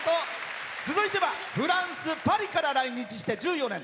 続いてはフランス、パリから来日して１４年。